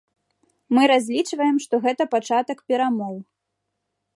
Мы разлічваем, што гэта пачатак перамоў.